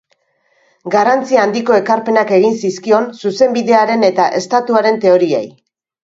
Garrantzi handiko ekarpenak egin zizkion zuzenbidearen eta estatuaren teoriei.